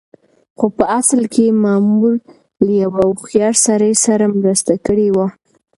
خو په اصل کې مامور له يوه هوښيار سړي سره مرسته کړې وه.